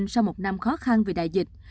sau một năm khó khăn vì đại dịch